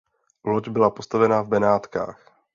Loď byla postavena v Benátkách.